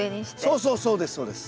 そうそうそうですそうです。